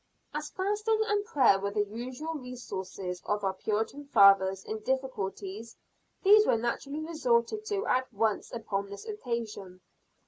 As fasting and prayer were the usual resources of our Puritan fathers in difficulties, these were naturally resorted to at once upon this occasion.